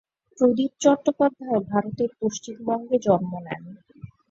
প্রদীপ চট্টোপাধ্যায় ভারতের পশ্চিমবঙ্গে জন্ম নেন।